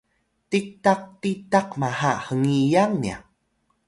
tik tak tik tak mha hngiyang nya